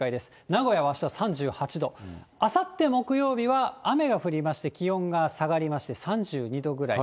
名古屋はあした３８度、あさって木曜日は雨が降りまして気温が下がりまして、３２度くらい。